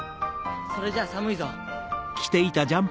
それじゃ寒いぞ。